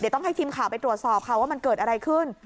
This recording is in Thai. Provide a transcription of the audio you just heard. ต้องให้ทีมข่าวไปตรวจสอบค่ะว่ามันเกิดอะไรขึ้น